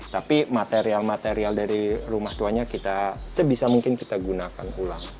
tapi material material dari rumah tuanya kita sebisa mungkin kita gunakan ulang